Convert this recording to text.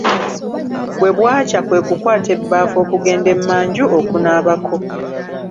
Bwe bwakya kwe kukwata ebbaafu okugenda emmanju okunaabako.